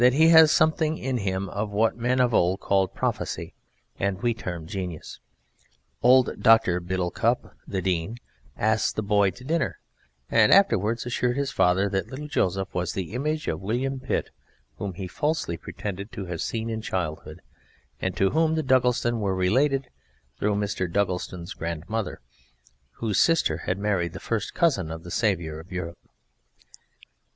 he has something in him of what men of Old called prophecy and we term genius ...", old Dr. Biddlecup the Dean asked the boy to dinner, and afterwards assured his father that little Joseph was the image of William Pitt, whom he falsely pretended to have seen in childhood, and to whom the Duggletons were related through Mrs. Duggleton's grandmother, whose sister had married the first cousin of the Saviour of Europe.